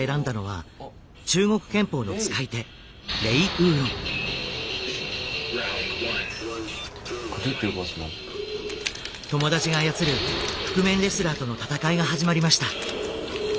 友達が操る覆面レスラーとの戦いが始まりました。